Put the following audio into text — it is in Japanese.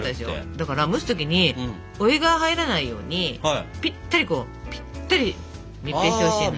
だから蒸す時にお湯が入らないようにピッタリこうピッタリ密閉してほしいの。